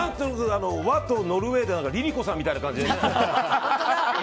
和とノルウェーでＬｉＬｉＣｏさんみたいな感じで。